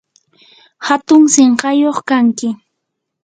hatun sinqayuq kanki.